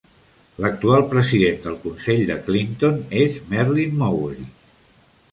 L'actual president del Consell de Clinton és Merlin Mowery.